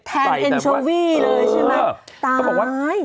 แทนแอนโชวี่เลยใช่ไหมตาย